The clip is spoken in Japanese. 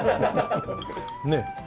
ねえ。